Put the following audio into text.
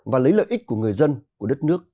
và lấy lợi ích của người dân của đất nước